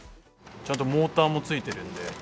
ちゃんとモーターもついてるんで。